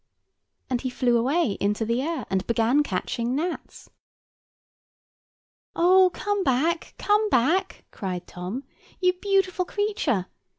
And he flew away into the air, and began catching gnats. "Oh! come back, come back," cried Tom, "you beautiful creature.